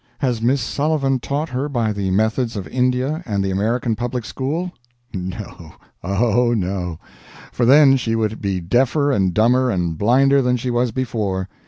Has Miss Sullivan taught her by the methods of India and the American public school? No, oh, no; for then she would be deafer and dumber and blinder than she was before.